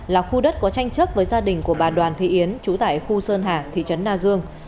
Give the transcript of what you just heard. là khu đất có tranh chấp với gia đình của bà đoàn thị yến trú tại khu sơn hà thị trấn na dương